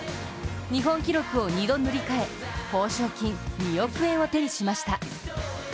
日本記録を２度塗り替え褒賞金２億円を手にしました。